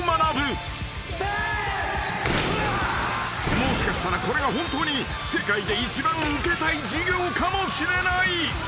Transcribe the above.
［もしかしたらこれが本当に世界で一番受けたい授業かもしれない］